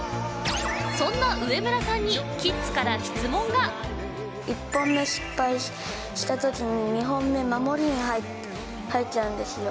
そんな上村さんにキッズから質問が１本目失敗したときの２本目守りに入っちゃうんですよ